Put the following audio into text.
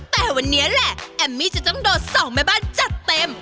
แต่วันนี้แหละแอมมี่จะต้องโดนสองแม่บ้านจัดเต็ม